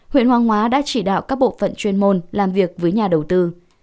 huyện hoàng hóa đã chỉ đạo các bộ phận chuyên môn làm việc với nhà đầu tư